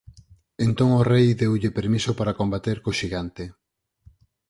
Entón o rei deulle permiso para combater co xigante.